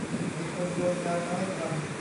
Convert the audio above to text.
มีคนโยนงานมาให้ทำ